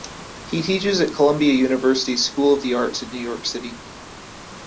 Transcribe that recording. He teaches at Columbia University's School of the Arts in New York City.